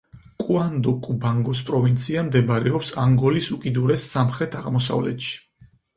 კუანდო-კუბანგოს პროვინცია მდებარეობს ანგოლის უკიდურეს სამხრეთ-აღმოსავლეთში.